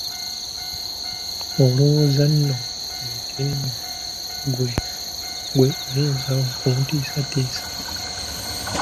Olowooza nno nti nno ggwe, ggwe oyinza okuntiisatiisa?